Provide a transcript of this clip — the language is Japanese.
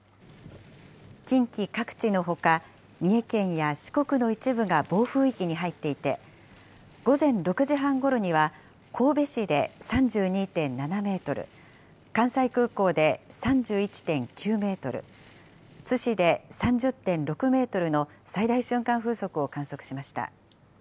近畿各地のほか、三重県や四国の一部が暴風域に入っていて、午前６時半ごろには神戸市で３２．７メートル、関西空港で３１．９メートル、津市で３０．６メートルの最大瞬間風速を観測しました。